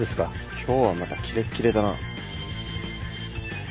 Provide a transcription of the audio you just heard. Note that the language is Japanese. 今日はまたキレッキレだな。